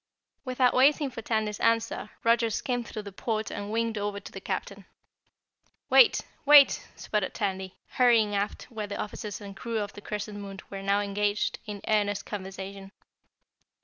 Without waiting for Tandy's answer, Roger skimmed through the port and winged over to the Captain. "Wait! Wait!" sputtered Tandy, hurrying aft where the officers and crew of the Crescent Moon were now engaged in earnest conversation.